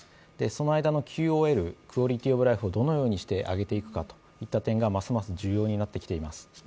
その間のＱＯＬ＝クオリティ・オブ・ライフをどのようにして上げていくかという点がますます重要になってきています。